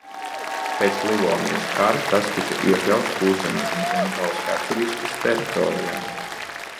Pēc Livonijas kara tas tika iekļauts Kurzemes un Zemgales hercogistes teritorijā.